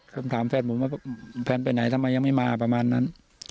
แฟนผมว่าแฟนไปไหนทำไมยังไม่มาประมาณนั้น